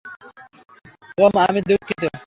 ওম, আমি দুঃখিত।